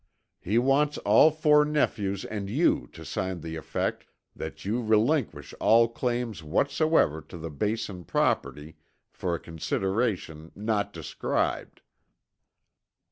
He wants all four nephews and you to sign to the effect that you relinquish all claims whatsoever to the Basin property for a consideration not described."